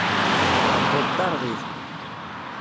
Aɛebbuḍ d arɣib.